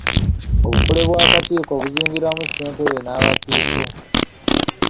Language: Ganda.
Obukole bw'akakiiko buzingiramu ssentebe n'abakiise.